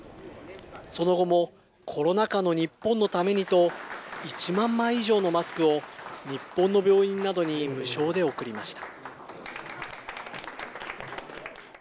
その後も、コロナ禍の日本のためにと、１万枚以上のマスクを日本の病院などに無償で送りました。